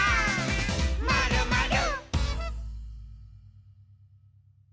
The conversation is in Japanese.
「まるまる」